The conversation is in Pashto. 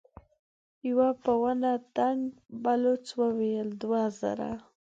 يوه په ونه دنګ بلوڅ وويل: دوه زره.